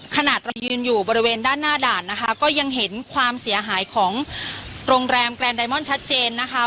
ขนาดเรายืนอยู่บริเวณด้านหน้าด่านนะคะก็ยังเห็นความเสียหายของโรงแรมแกรนไดมอนด์ชัดเจนนะคะ